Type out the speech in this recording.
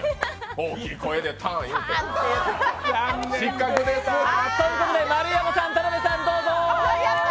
大きい声で「タン！」言うて。ということで丸山さん、田辺さん、どうぞ。